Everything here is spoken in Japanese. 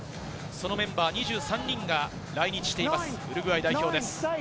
そのメンバー２３人が来日しています、ウルグアイ代表です。